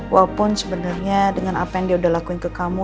walaupun sebenarnya dengan apa yang dia udah lakuin ke kamu